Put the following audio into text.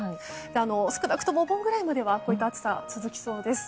少なくともお盆くらいまではこの暑さが続きそうです。